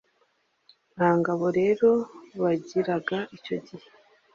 nta ngabo rero bagiraga icyo gihe